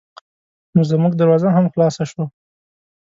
نو زمونږ دروازه هم خلاصه شوه.